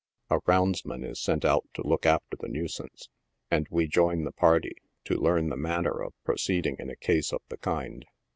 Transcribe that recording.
A roundsman is sent out to look after the nuisance, and we join the party to learn the manner of pro ceeding in a case of the kind.